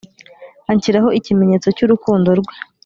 anshyiraho ikimenyetso cy’urukundo rwe.